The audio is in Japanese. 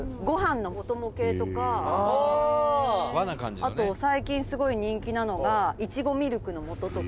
「あと、最近すごい人気なのがいちごミルクの素とか」